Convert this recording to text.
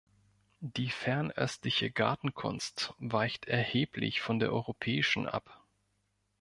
Die fernöstliche Gartenkunst weicht erheblich von der europäischen ab.